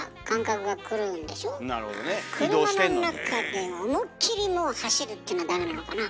車の中で思いっきりもう走るっていうのはダメなのかな。